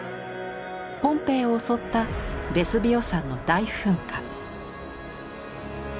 ポンペイを襲ったヴェスヴィオ山の大噴火。